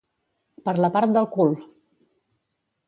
Per la part del cul!